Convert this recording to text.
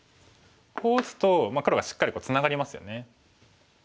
こう打つと黒がしっかりツナがりますよね。